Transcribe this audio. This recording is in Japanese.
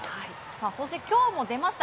そして今日も出ました。